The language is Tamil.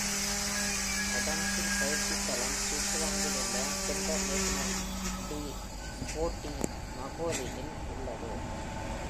ஆடம்ஸின் பயிற்சித் தளம் சுவிட்சர்லாந்தில் உள்ள centre national de sport de மாகோலினில் உள்ளது.